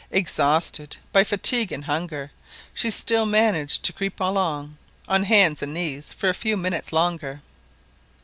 Exhausted by fatigue and hunger, she still managed to creep along on hands and knees for a few minutes longer.